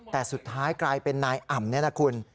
แต่สุดท้ายกลายเป็นนายอ่ำนี่นะคุณ